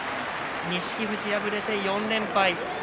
錦富士、敗れて４連敗。